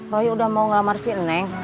roy udah mau ngelamar si neng